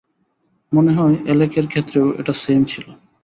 মনেহয় অ্যালেকের ক্ষেত্রেও এটা সেইম ছিল।